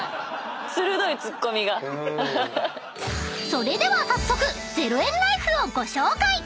［それでは早速０円ライフをご紹介］